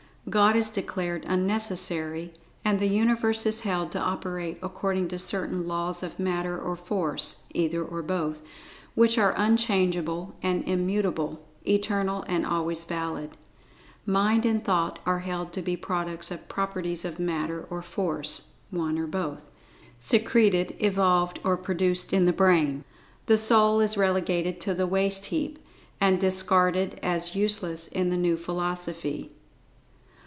God is declared unnecessary, and the Universe is held to operate according to certain Laws of Matter or Force (either or both) which are unchangeable and immutable—eternal and always valid. Mind and Thought are held to be products of properties of Matter or Force (one or both), secreted, evolved, or produced in the Brain. The Soul is relegated to the waste heap, and discarded as useless in the new philosophy.